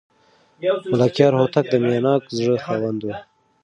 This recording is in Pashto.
ملکیار هوتک د مینه ناک زړه خاوند و.